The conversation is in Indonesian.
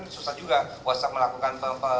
susah juga whatsapp melakukan